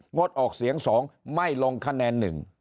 งดออกเสียง๒ไม่ลงคะแนน๑